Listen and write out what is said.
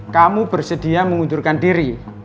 kamu bersedia mengundurkan diri